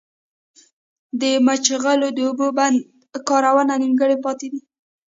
د مچلغو د اوبو بند کارونه نيمګړي پاتې دي